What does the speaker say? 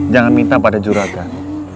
jangan minta pada juragan